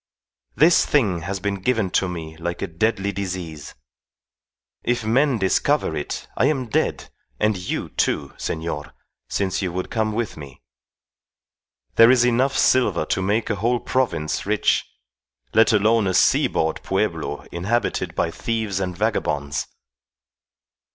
This thing has been given to me like a deadly disease. If men discover it I am dead, and you, too, senor, since you would come with me. There is enough silver to make a whole province rich, let alone a seaboard pueblo inhabited by thieves and vagabonds.